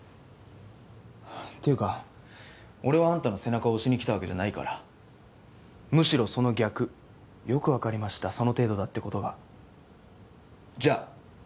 ていうか俺はあんたの背中を押しにきたわけじゃないからむしろその逆よく分かりましたその程度だってことがじゃ！